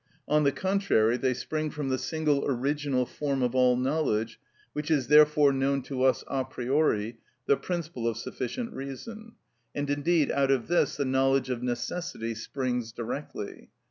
On the contrary, they spring from the single original form of all knowledge, which is, therefore, known to us a priori, the principle of sufficient reason; and indeed out of this the knowledge of necessity springs directly.